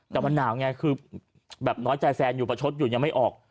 แต่มันหนาวไงคือแบบน้อยใจแฟนอยู่ประชดอยู่ยังไม่ออก